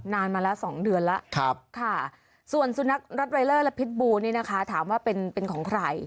มาแล้ว๒เดือนแล้วค่ะส่วนสุนัขรัดไวเลอร์และพิษบูนี่นะคะถามว่าเป็นของใคร